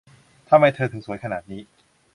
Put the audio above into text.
ทำไมเธอถึงสวยขนาดนี้